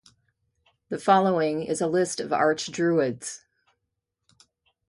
The following is a list of Archdruids.